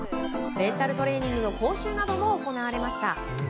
メンタルトレーニングの講習なども行われました。